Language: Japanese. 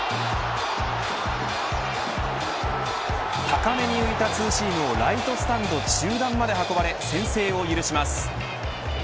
高めに浮いたツーシームをライトスタンド中段まで運ばれ先制を許します。